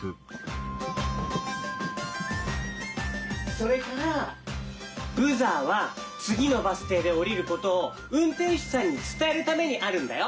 それからブザーはつぎのバスていでおりることをうんてんしゅさんにつたえるためにあるんだよ。